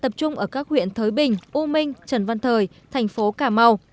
tập trung ở các huyện thới bình u minh trần văn thời thành phố cà mau